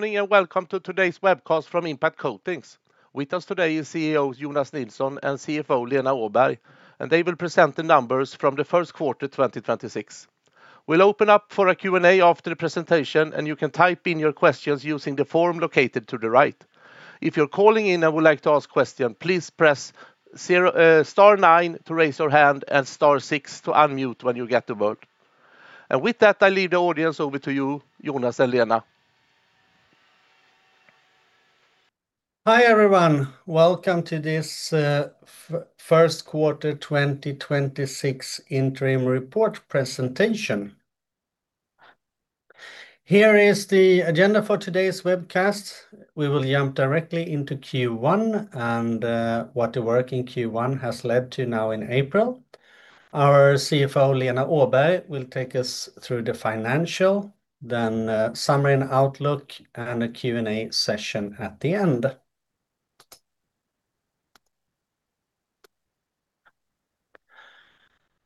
Good morning, welcome to today's webcast from Impact Coatings. With us today is CEO Jonas Nilsson and CFO Lena Åberg, they will present the numbers from the first quarter 2026. We'll open up for a Q&A after the presentation, you can type in your questions using the form located to the right. If you're calling in and would like to ask question, please press zero, star nine to raise your hand and star six to unmute when you get the word. With that, I leave the audience over to you, Jonas and Lena. Hi, everyone. Welcome to this first quarter 2026 interim report presentation. Here is the agenda for today's webcast. We will jump directly into Q1 and what the work in Q1 has led to now in April. Our CFO, Lena Åberg, will take us through the financial summary and outlook, and a Q&A session at the end.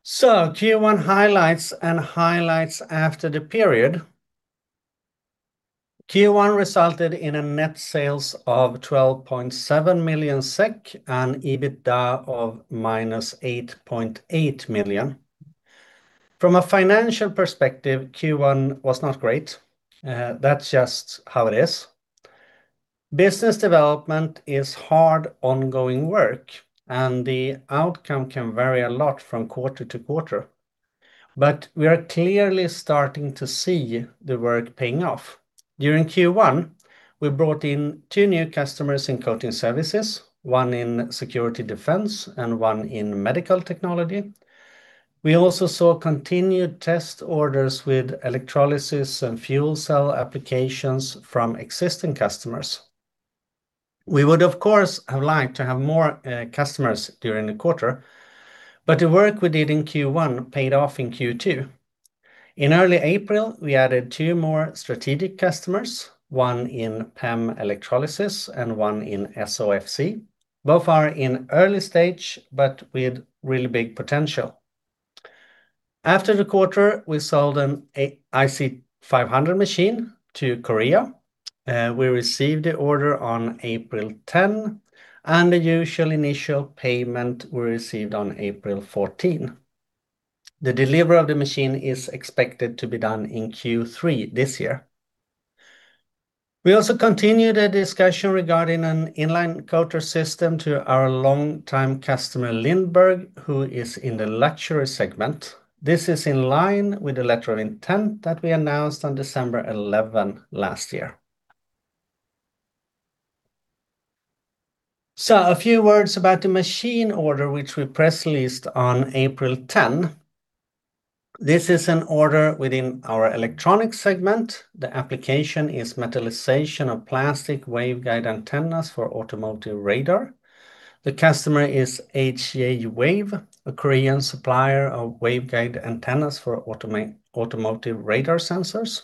Q1 highlights and highlights after the period. Q1 resulted in a net sales of 12.7 million SEK and EBITDA of -8.8 million. From a financial perspective, Q1 was not great. That's just how it is. Business development is hard ongoing work, and the outcome can vary a lot from quarter-to-quarter. We are clearly starting to see the work paying off. During Q1, we brought in two new customers in Coating Services, one in security defense and one in medical technology. We also saw continued test orders with electrolysis and fuel cell applications from existing customers. We would, of course, have liked to have more customers during the quarter, but the work we did in Q1 paid off in Q2. In early April, we added two more strategic customers, one in PEM electrolysis and one in SOFC. Both are in early stage, but with really big potential. After the quarter, we sold an InlineCoater 500 machine to Korea. We received the order on April 10, and the usual initial payment we received on April 14. The delivery of the machine is expected to be done in Q3 this year. We also continue the discussion regarding an InlineCoater system to our longtime customer, LINDBERG, who is in the luxury segment. This is in line with the letter of intent that we announced on December 11th last year. A few words about the machine order, which we press released on April 10. This is an order within our electronic segment. The application is metallization of plastic waveguide antennas for automotive radar. The customer is HJWAVE, a Korean supplier of waveguide antennas for automotive radar sensors.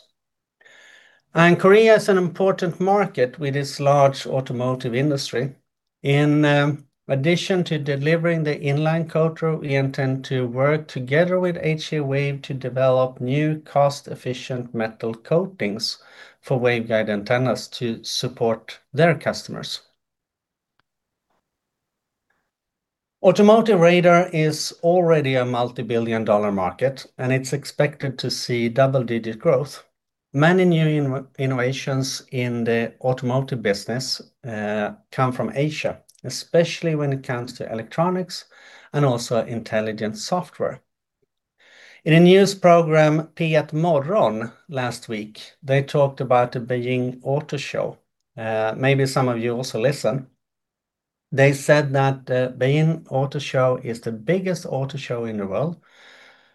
Korea is an important market with its large automotive industry. In addition to delivering the InlineCoater, we intend to work together with HJWAVE to develop new cost-efficient metal coatings for waveguide antennas to support their customers. Automotive radar is already a multibillion-dollar market, and it's expected to see double-digit growth. Many new innovations in the automotive business come from Asia, especially when it comes to electronics and also intelligent software. In a news program, P1 Morgon, last week, they talked about the Beijing Auto Show. Maybe some of you also listen. They said that the Beijing International Automotive Exhibition is the biggest auto show in the world.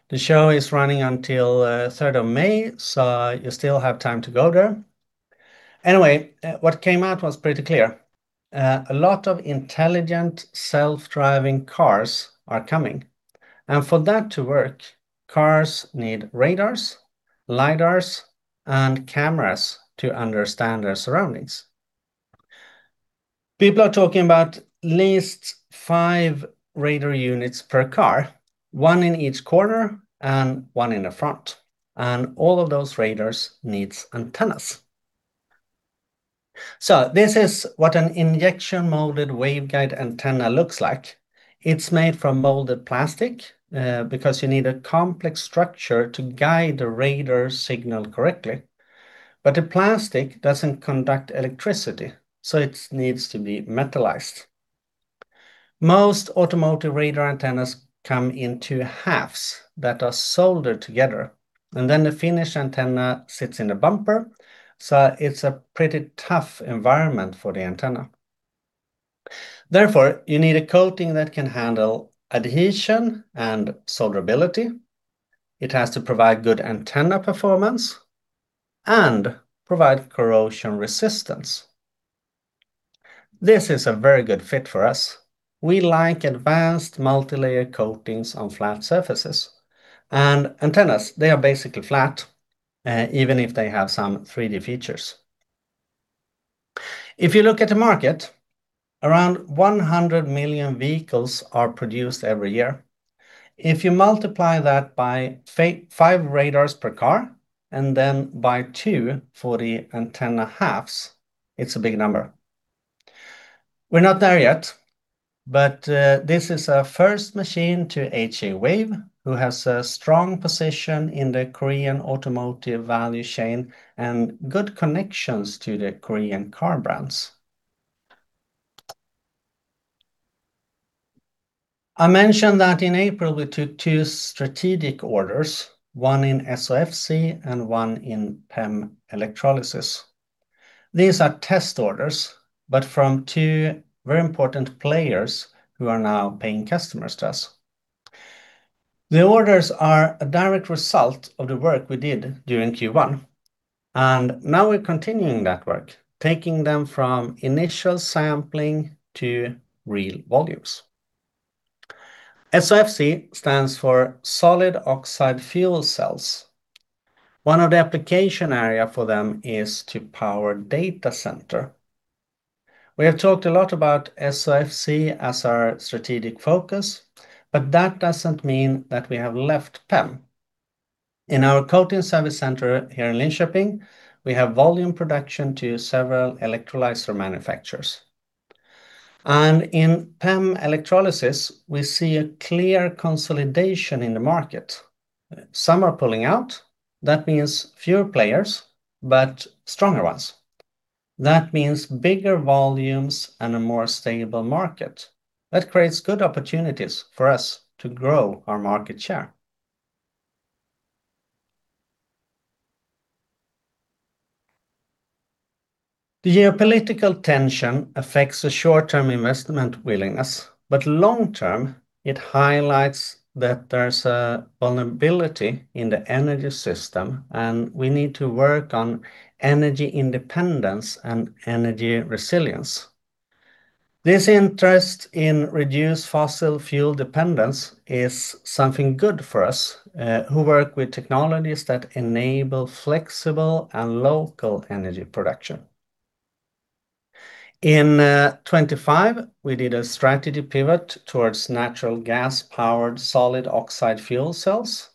The show is running until the 3rd of May. You still have time to go there. What came out was pretty clear. A lot of intelligent self-driving cars are coming. For that to work, cars need radars, lidars, and cameras to understand their surroundings. People are talking about at least five radar units per car, one in each corner and one in the front. All of those radars need antennas. This is what an injection molded waveguide antenna looks like. It's made from molded plastic because you need a complex structure to guide the radar signal correctly. The plastic doesn't conduct electricity. It needs to be metallized. Most automotive radar antennas come in two halves that are soldered together, and then the finished antenna sits in a bumper, so it's a pretty tough environment for the antenna. Therefore, you need a coating that can handle adhesion and solderability. It has to provide good antenna performance and provide corrosion resistance. This is a very good fit for us. We like advanced multilayer coatings on flat surfaces. Antennas, they are basically flat, even if they have some 3-D features. If you look at the market, around 100 million vehicles are produced every year. If you multiply that by five radars per car and then by two [for the antenna] halves, it's a big number. We're not there yet, but this is our first machine to HJWAVE, who has a strong position in the Korean automotive value chain and good connections to the Korean car brands. I mentioned that in April, we took two strategic orders, one in SOFC and one in PEM electrolysis. These are test orders from two very important players who are now paying customers to us. The orders are a direct result of the work we did during Q1, now we're continuing that work, taking them from initial sampling to real volumes. SOFC stands for Solid Oxide Fuel Cells. One of the application area for them is to power data center. We have talked a lot about SOFC as our strategic focus, that doesn't mean that we have left PEM. In our Coating Services center here in Linköping, we have volume production to several electrolyzer manufacturers. In PEM electrolysis, we see a clear consolidation in the market. Some are pulling out. That means fewer players, but stronger ones. That means bigger volumes and a more stable market. That creates good opportunities for us to grow our market share. The geopolitical tension affects the short-term investment willingness, but long term, it highlights that there's a vulnerability in the energy system, and we need to work on energy independence and energy resilience. This interest in reduced fossil fuel dependence is something good for us, who work with technologies that enable flexible and local energy production. In 2025, we did a strategy pivot towards natural gas-powered Solid Oxide Fuel Cells.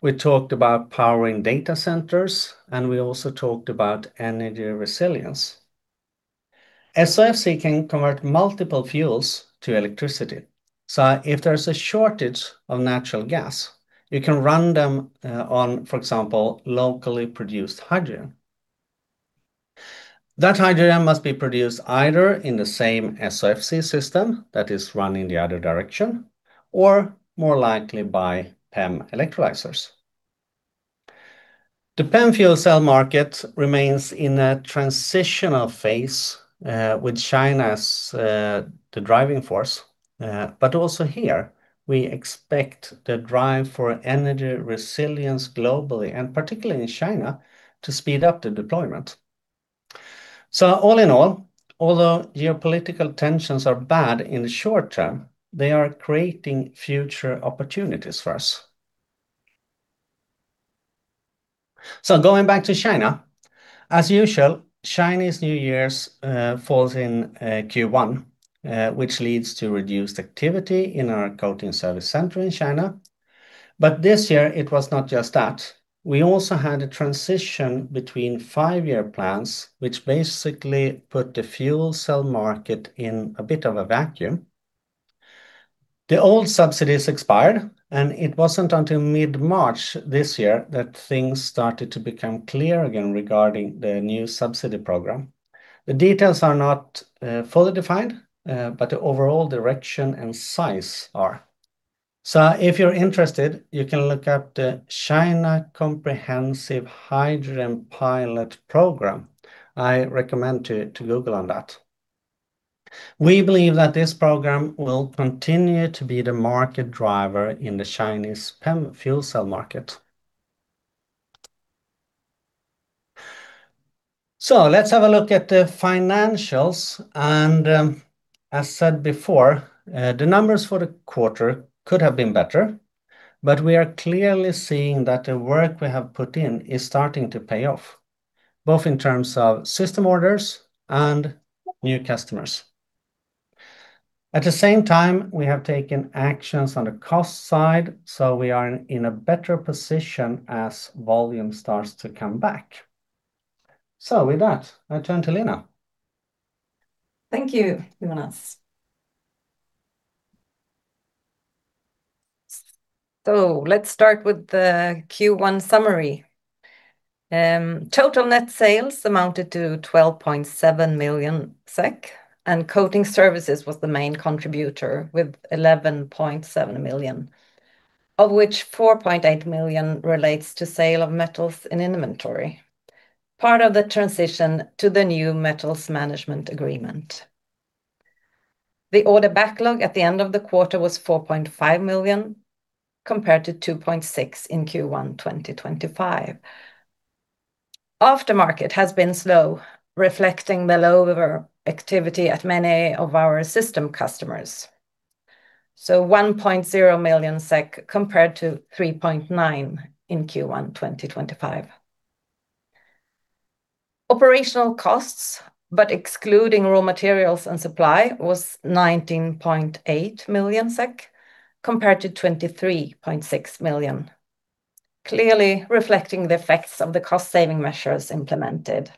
We talked about powering data centers, and we also talked about energy resilience. SOFC can convert multiple fuels to electricity. If there's a shortage of natural gas, you can run them on, for example, locally produced hydrogen. That hydrogen must be produced either in the same SOFC system that is run in the other direction or more likely by PEM electrolyzers. The PEM fuel cell market remains in a transitional phase with China as the driving force. Also here, we expect the drive for energy resilience globally, and particularly in China, to speed up the deployment. All in all, although geopolitical tensions are bad in the short term, they are creating future opportunities for us. Going back to China, as usual, Chinese New Year's falls in Q1, which leads to reduced activity in our Coating Services center in China. This year, it was not just that. We also had a transition between five-year plans, which basically put the fuel cell market in a bit of a vacuum. The old subsidies expired. It wasn't until mid-March this year that things started to become clear again regarding the new subsidy program. The details are not fully defined, but the overall direction and size are. If you're interested, you can look up the China Comprehensive Hydrogen Pilot Program. I recommend to Google on that. We believe that this program will continue to be the market driver in the Chinese PEM fuel cell market. Let's have a look at the financials. As said before, the numbers for the quarter could have been better, but we are clearly seeing that the work we have put in is starting to pay off, both in terms of system orders and new customers. At the same time, we have taken actions on the cost side, we are in a better position as volume starts to come back. With that, I turn to Lena. Thank you, Jonas. Let's start with the Q1 summary. Total net sales amounted to 12.7 million SEK, and Coating Services was the main contributor with 11.7 million, of which 4.8 million relates to sale of metals in inventory, part of the transition to the new metals management agreement. The order backlog at the end of the quarter was 4.5 million, compared to 2.6 million in Q1 2025. Aftermarket has been slow, reflecting the lower activity at many of our system customers. 1.0 million SEK compared to 3.9 million in Q1 2025. Operational costs, but excluding raw materials and supply, was 19.8 million SEK compared to 23.6 million, clearly reflecting the effects of the cost-saving measures implemented.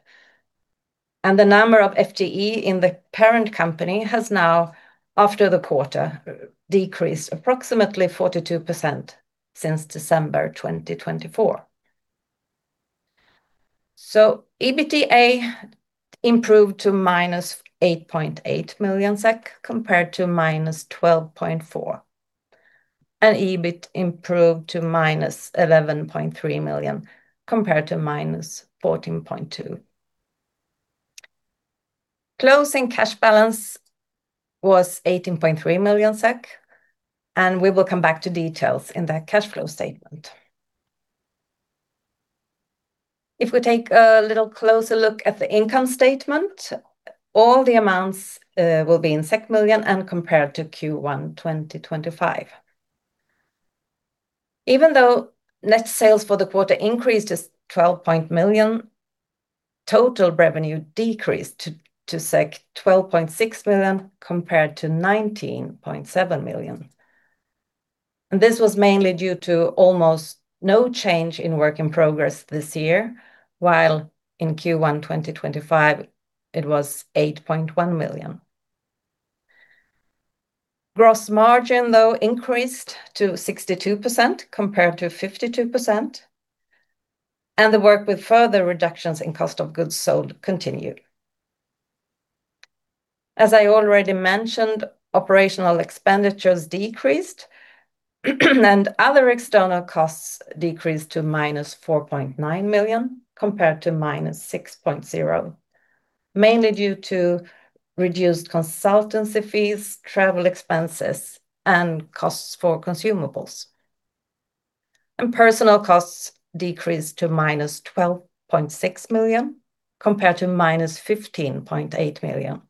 The number of FTE in the parent company has now, after the quarter, decreased approximately 42% since December 2024. EBITDA improved to -8.8 million SEK compared to -12.4 million, and EBIT improved to -11.3 million compared to -14.2 million. Closing cash balance was 18.3 million SEK, and we will come back to details in the cash flow statement. We take a little closer look at the income statement, all the amounts will be in million and compared to Q1 2025. Net sales for the quarter increased to 12. million, total revenue decreased to 12.6 million compared to 19.7 million. This was mainly due to almost no change in work in progress this year, while in Q1 2025 it was 8.1 million. Gross margin, though, increased to 62% compared to 52%, and the work with further reductions in cost of goods sold continued. As I already mentioned, operational expenditures decreased and other external costs decreased to -4.9 million compared to -6.0 million, mainly due to reduced consultancy fees, travel expenses, and costs for consumables. Personal costs decreased to -12.6 million compared to -15.8 million.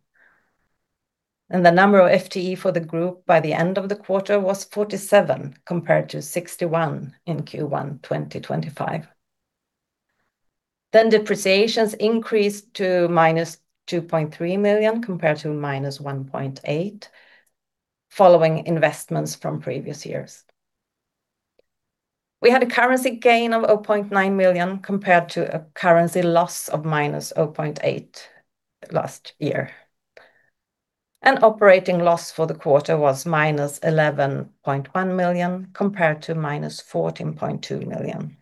The number of FTE for the group by the end of the quarter was 47 compared to 61 in Q1 2025. Depreciations increased to -2.3 million compared to -1.8 million following investments from previous years. We had a currency gain of 0.9 million compared to a currency loss of -0.8 last year. Operating loss for the quarter was -11.1 million compared to -14.2 million.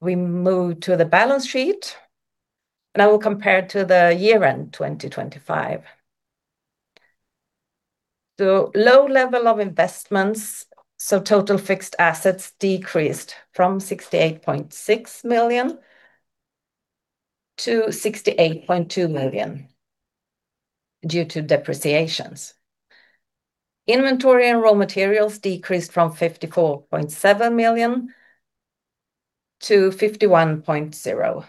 We move to the balance sheet, and I will compare to the year-end 2025. The low level of investments, total fixed assets decreased from 68.6 million to 68.2 million due to depreciations. Inventory and raw materials decreased from 54.7 million to 51.0,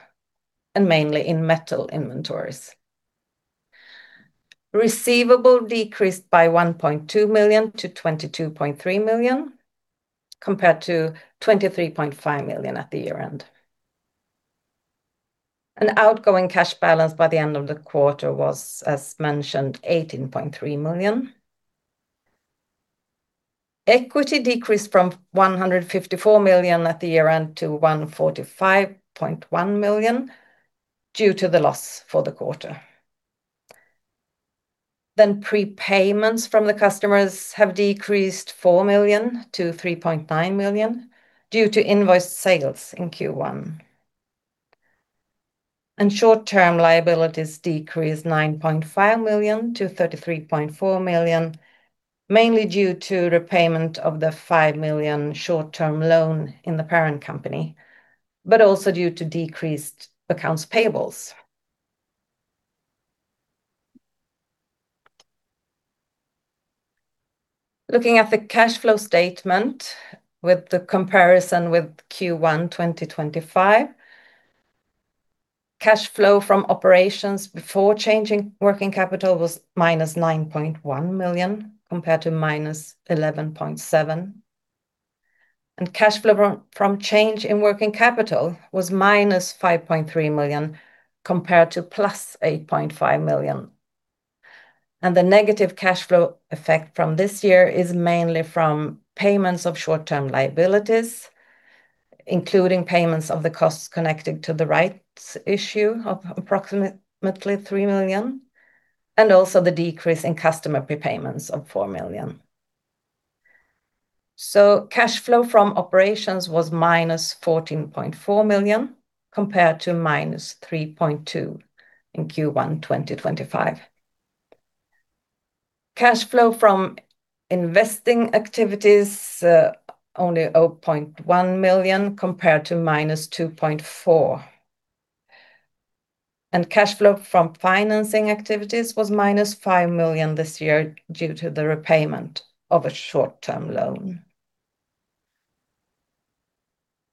mainly in metal inventories. Receivable decreased by 1.2 million to 22.3 million compared to 23.5 million at the year-end. Outgoing cash balance by the end of the quarter was, as mentioned, 18.3 million. Equity decreased from 154 million at the year-end to 145.1 million due to the loss for the quarter. Prepayments from the customers have decreased 4 million to 3.9 million due to invoiced sales in Q1. Short-term liabilities decreased 9.5 million to 33.4 million, mainly due to repayment of the 5 million short-term loan in the parent company, but also due to decreased accounts payables. Looking at the cash flow statement with the comparison with Q1 2025, cash flow from operations before changing working capital was -9.1 million compared to -11.7 million. Cash flow from change in working capital was -5.3 million compared to +8.5 million. The negative cash flow effect from this year is mainly from payments of short-term liabilities, including payments of the costs connected to the rights issue of approximately 3 million, and also the decrease in customer prepayments of SEK 4 million. Cash flow from operations was -14.4 million compared to -3.2 in Q1 2025. Cash flow from investing activities, only 0.1 million compared to -2.4. Cash flow from financing activities was -5 million this year due to the repayment of a short-term loan.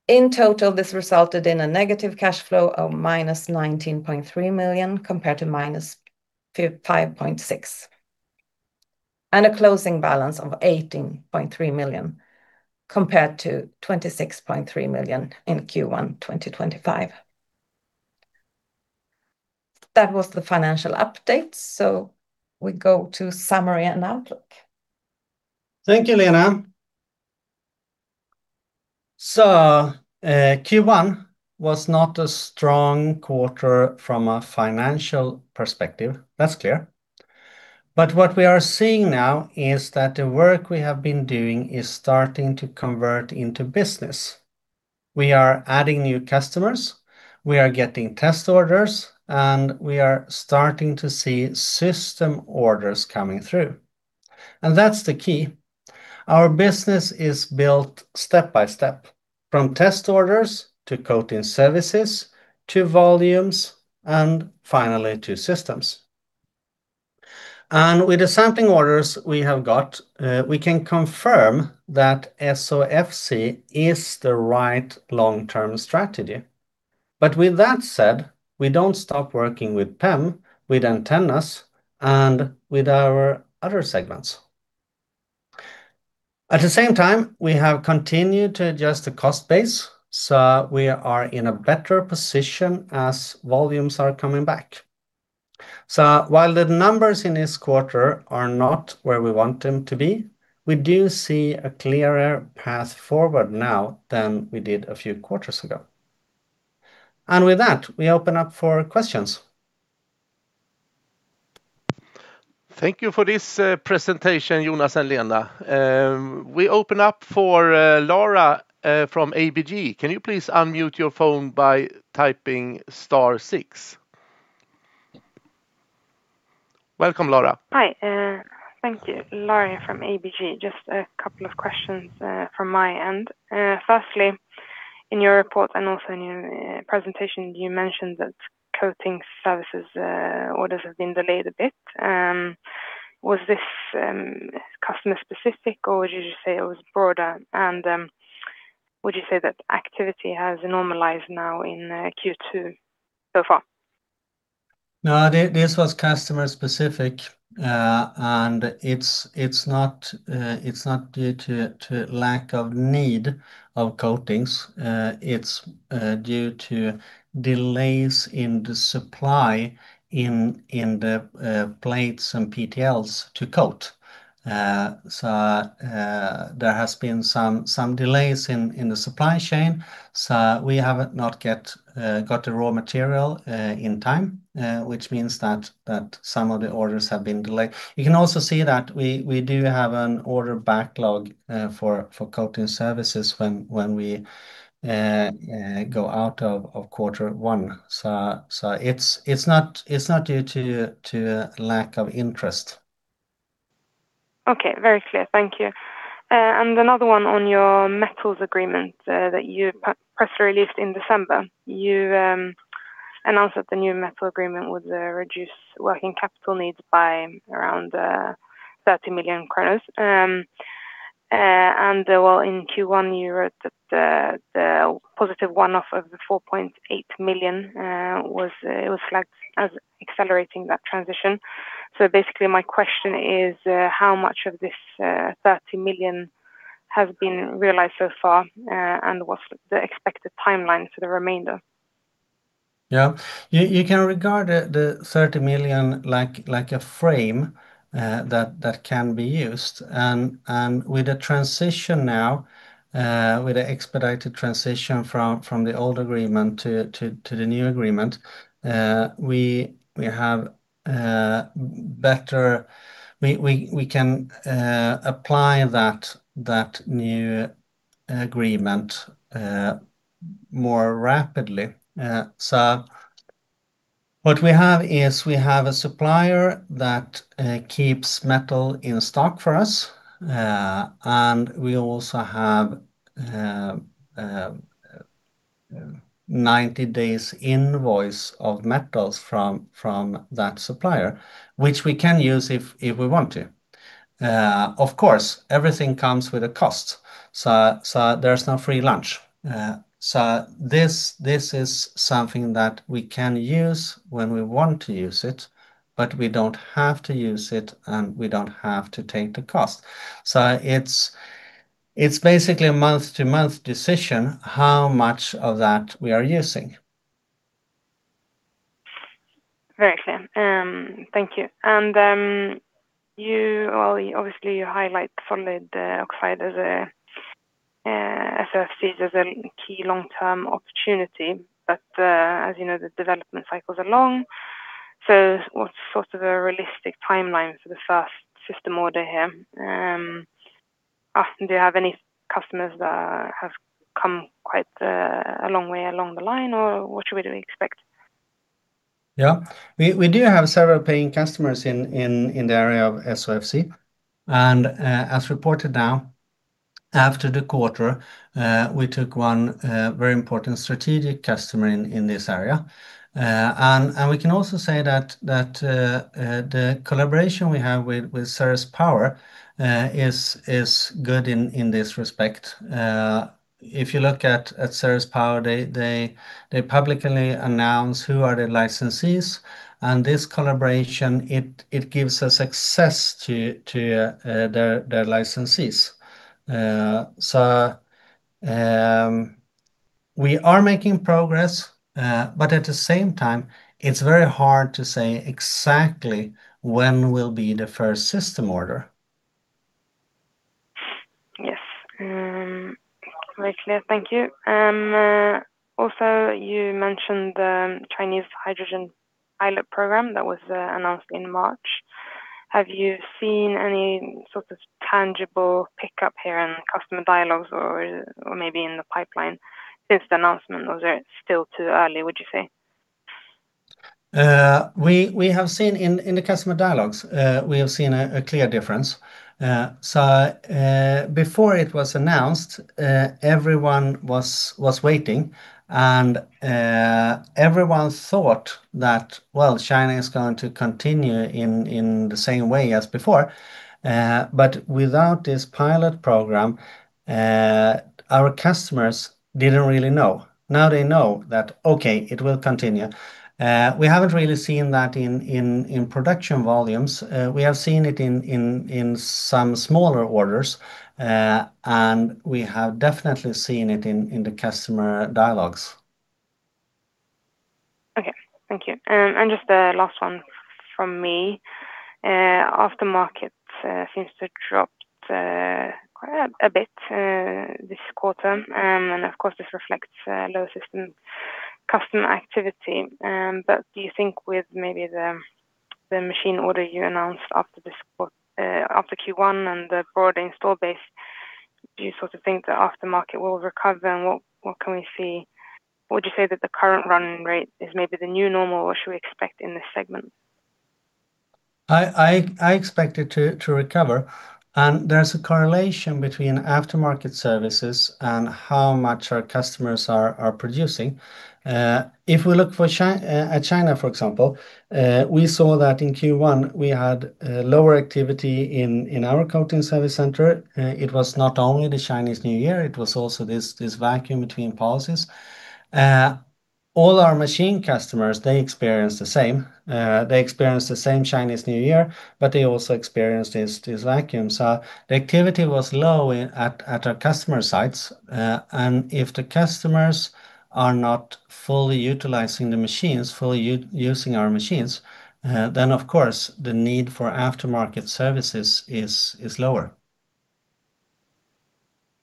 In total, this resulted in a negative cash flow of -19.3 million compared to -5.6, and a closing balance of 18.3 million compared to 26.3 million in Q1 2025. That was the financial update, we go to summary and outlook. Thank you, Lena. Q1 was not a strong quarter from a financial perspective. That's clear. What we are seeing now is that the work we have been doing is starting to convert into business. We are adding new customers, we are getting test orders, and we are starting to see system orders coming through. That's the key. Our business is built step by step, from test orders to Coating Services, to volumes, and finally to systems. With the sampling orders we have got, we can confirm that SOFC is the right long-term strategy. With that said, we don't stop working with PEM, with antennas, and with our other segments. At the same time, we have continued to adjust the cost base, so we are in a better position as volumes are coming back. While the numbers in this quarter are not where we want them to be, we do see a clearer path forward now than we did a few quarters ago. With that, we open up for questions. Thank you for this presentation, Jonas and Lena. We open up for Laura from ABG. Welcome, Laura. Hi. Thank you. Laura from ABG. Just a couple of questions from my end. Firstly, in your report and also in your presentation, you mentioned that Coating Services orders have been delayed a bit. Was this customer specific, or would you just say it was broader? Would you say that activity has normalized now in Q2 so far? This was customer specific. It's not due to lack of need of coatings. It's due to delays in the supply in the plates and PTLs to coat. There has been some delays in the supply chain, so we have not got the raw material in time, which means that some of the orders have been delayed. You can also see that we do have an order backlog for Coating Services when we go out of quarter one. It's not due to lack of interest. Okay. Very clear. Thank you. Another one on your metals agreement that you press released in December. You announced that the new metal agreement would reduce working capital needs by around 30 million. Well, in Q1, you wrote that the positive one-off of the 4.8 million was flagged as accelerating that transition. Basically, my question is, how much of this 30 million has been realized so far, and what's the expected timeline for the remainder? Yeah. You can regard the 30 million like a frame that can be used. With the transition now, with the expedited transition from the old agreement to the new agreement, we can apply that new agreement more rapidly. What we have is we have a supplier that keeps metal in stock for us. We also have 90 days invoice of metals from that supplier, which we can use if we want to. Of course, everything comes with a cost, so there's no free lunch. This is something that we can use when we want to use it, but we don't have to use it, and we don't have to take the cost. It's basically a month-to-month decision how much of that we are using. Very clear. Thank you. Well, obviously, you highlight Solid Oxide as a SOFC as a key long-term opportunity. As you know, the development cycles are long. What's sort of a realistic timeline for the first system order here? Do you have any customers that have come quite a long way along the line, or what should we do expect? Yeah. We do have several paying customers in the area of SOFC. As reported now, after the quarter, we took one very important strategic customer in this area. And we can also say that the collaboration we have with Ceres Power is good in this respect. If you look at Ceres Power, they publicly announce who are the licensees and this collaboration, it gives us access to their licensees. We are making progress, but at the same time, it's very hard to say exactly when will be the first system order. Yes. Very clear. Thank you. You mentioned the Chinese Hydrogen Pilot Program that was announced in March. Have you seen any sort of tangible pickup here in customer dialogues or maybe in the pipeline since the announcement or is it still too early, would you say?__ We have seen in the customer dialogues, we have seen a clear difference. Before it was announced, everyone was waiting and everyone thought that, well, China is going to continue in the same way as before. Without this Pilot Program, our customers didn't really know. Now they know that, okay, it will continue. We haven't really seen that in production volumes. We have seen it in some smaller orders, and we have definitely seen it in the customer dialogues. Okay. Thank you. Just the last one from me. Aftermarket seems to have dropped quite a bit this quarter. Of course this reflects low system customer activity. Do you think with maybe the machine order you announced after Q1 and the broad install base, do you sort of think the aftermarket will recover and what can we see? Would you say that the current running rate is maybe the new normal, or should we expect in this segment? I expect it to recover. There's a correlation between aftermarket services and how much our customers are producing. If we look at China, for example, we saw that in Q1 we had lower activity in our Coating Services center. It was not only the Chinese New Year, it was also this vacuum between policies. All our machine customers, they experienced the same. They experienced the same Chinese New Year, they also experienced this vacuum. The activity was low at our customer sites. If the customers are not fully utilizing the machines, fully using our machines, of course the need for aftermarket services is lower.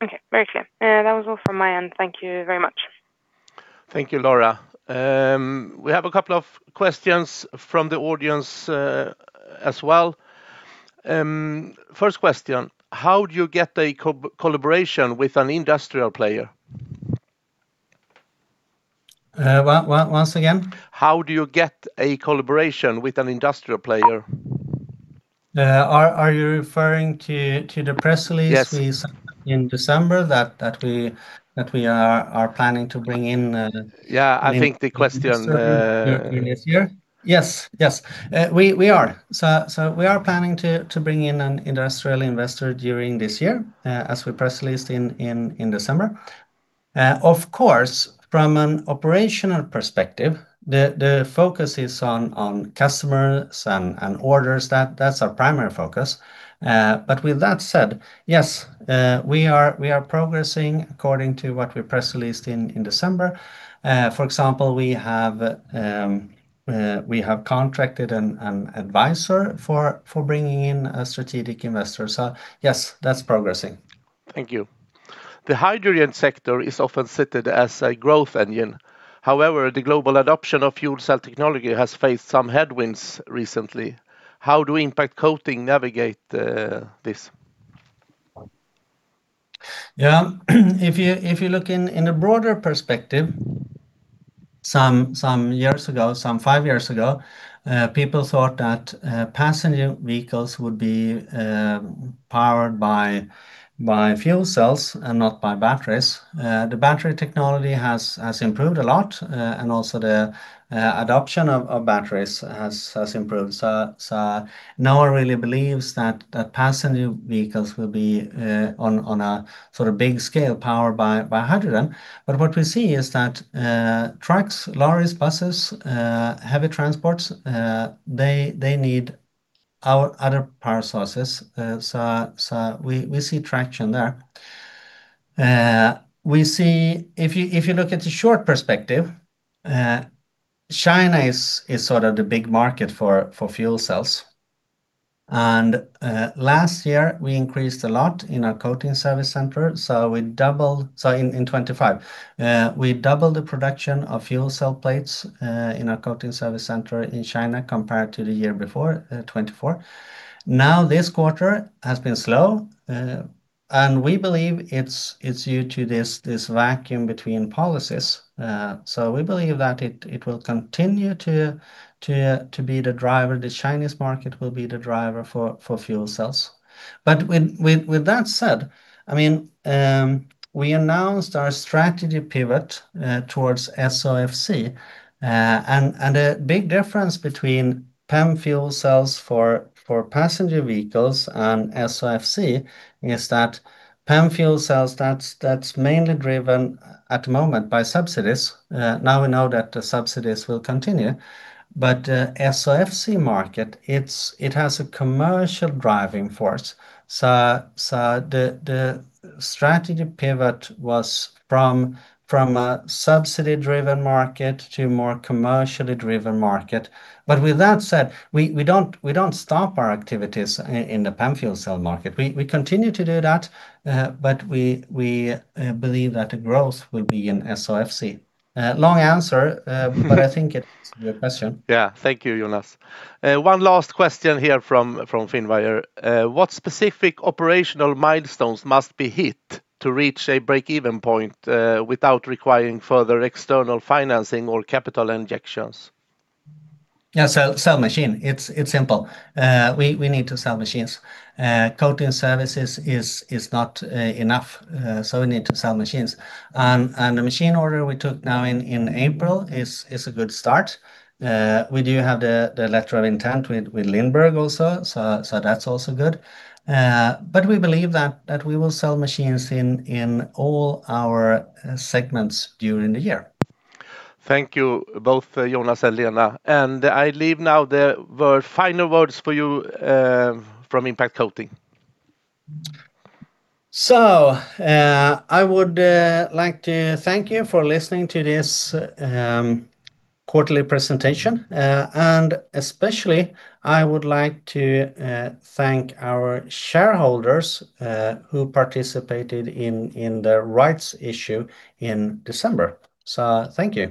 Okay. Very clear. That was all from my end. Thank you very much. Thank you, Laura. We have a couple of questions from the audience, as well. First question, how do you get a collaboration with an industrial player? Once again. How do you get a collaboration with an industrial player? Are you referring to the press release? Yes We sent in December that we are planning to bring in. Yeah, I think the question. During this year? Yes. Yes. We are. We are planning to bring in an industrial investor during this year, as we press released in December. Of course, from an operational perspective, the focus is on customers and orders. That's our primary focus. With that said, yes, we are progressing according to what we press released in December. For example, we have contracted an advisor for bringing in a strategic investor. Yes, that's progressing. Thank you. The hydrogen sector is often cited as a growth engine. However, the global adoption of fuel cell technology has faced some headwinds recently. How do Impact Coatings navigate this? Yeah. If you look in a broader perspective, some years ago, some five years ago, people thought that passenger vehicles would be powered by fuel cells and not by batteries. The battery technology has improved a lot. Also the adoption of batteries has improved. No one really believes that passenger vehicles will be on a sort of big scale powered by hydrogen. What we see is that trucks, lorries, buses, heavy transports, they need our other power sources. We see traction there. If you look at the short perspective, China is sort of the big market for fuel cells. Last year we increased a lot in our Coating Services center. We doubled the production of fuel cell plates in our Coating Services center in China compared to the year before, 2024. This quarter has been slow, and we believe it's due to this vacuum between policies. We believe that it will continue to be the driver, the Chinese market will be the driver for fuel cells. With that said, I mean, we announced our strategy pivot towards SOFC. And the big difference between PEM fuel cells for passenger vehicles and SOFC is that PEM fuel cells, that's mainly driven at the moment by subsidies. We know that the subsidies will continue. SOFC market, it has a commercial driving force. The strategy pivot was from a subsidy-driven market to more commercially driven market. With that said, we don't stop our activities in the PEM fuel cell market. We continue to do that, but we believe that the growth will be in SOFC. Long answer. I think it answers your question. Yeah. Thank you, Jonas. One last question here from Finwire, "What specific operational milestones must be hit to reach a break-even point without requiring further external financing or capital injections? Yeah, sell machine. It's simple. We need to sell machines. Coating Services is not enough. We need to sell machines. The machine order we took now in April is a good start. We do have the letter of intent with LINDBERG also. That's also good. We believe that we will sell machines in all our segments during the year. Thank you both, Jonas and Lena Åberg. I leave now the final words for you from Impact Coatings. I would like to thank you for listening to this quarterly presentation. And especially I would like to thank our shareholders who participated in the rights issue in December. Thank you